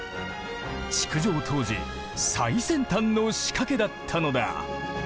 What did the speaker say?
築城当時最先端の仕掛けだったのだ。